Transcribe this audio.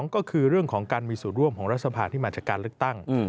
ก็คือเรื่องของการมีส่วนร่วมของรัฐสภาที่มาจากการเลือกตั้ง